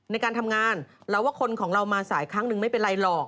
ในการทำงานเราว่าคนของเรามาสายครั้งหนึ่งไม่เป็นไรหรอก